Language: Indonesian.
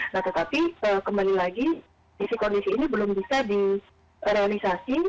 nah tetapi kembali lagi sisi kondisi ini belum bisa direalisasi